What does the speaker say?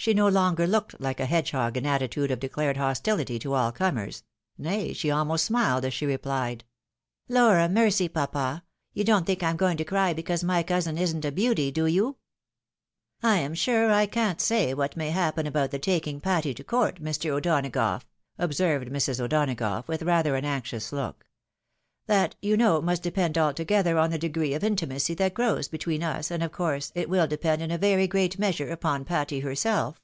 She no longer looked like a hedgehog in attitude of declared hostOity to aU comers, nay she almost smiled as she replied, " Lor a mercy, papa ! you don't think I'm going to cry because my cousin isn't a beauty, do you ?"" I am sure I can't say what may happen about the taldng Patty to court, Mr. O'Donagough," observed Mrs. O'Dona gough, with rather an anxious look. " That, you know, must depend altogether on the degree of intimacy that grows between us, and of course it will depend in a very great measure upon Patty herself."